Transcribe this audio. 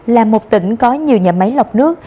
là một tỉnh có nhiều nhà máy lọc nước